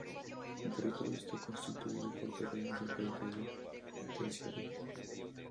El territorio está constituido por terrenos del período terciario.